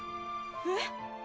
えっ！？